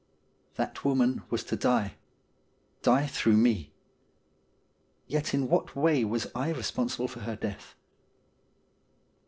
That woman was to die — die through me. Yet in what way was I responsible for her death